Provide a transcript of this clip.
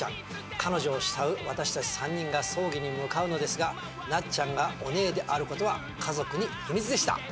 彼女を慕う私たち３人が葬儀に向かうのですがなっちゃんがオネエである事は家族に秘密でした。